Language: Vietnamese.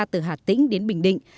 từ hà tĩnh đến bình định